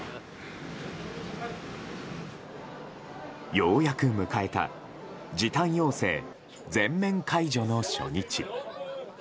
ようやく迎えた時短要請全面解除の初日。